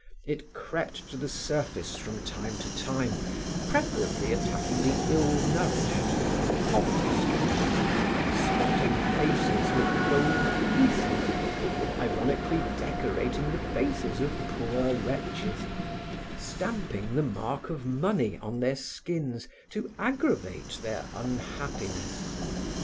It crept to the surface from time to time, preferably attacking the ill nourished and the poverty stricken, spotting faces with gold pieces, ironically decorating the faces of poor wretches, stamping the mark of money on their skins to aggravate their unhappiness.